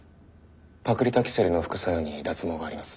パクリタキセルの副作用に脱毛があります。